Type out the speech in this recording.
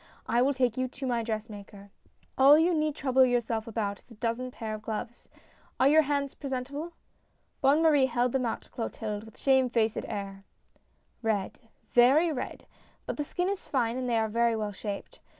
I will take you to my dressmaker. All you need trouble yourself about is a dozen pair of gloves. Are your hands pre sentable ?" Bonne Marie held them out to Clotilde with a shame faced air. " Red, very red ! But the skin is fine, and they are very well shaped.